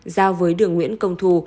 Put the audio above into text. giao với đường nguyễn công thù